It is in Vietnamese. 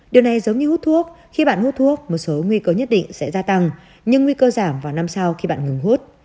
điều này giống như hút thuốc khi bạn hút thuốc một số nguy cơ nhất định sẽ gia tăng nhưng nguy cơ giảm vào năm sau khi bạn ngừng hút